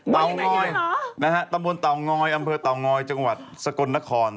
เต่าง้อยนะฮะตะวงอยอำเภอเต่าง้อยจังหวัดสกลนคร